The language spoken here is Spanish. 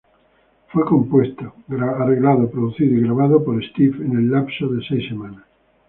Fue compuesto, arreglado, producido y grabado por Steve en el lapso de seis semanas.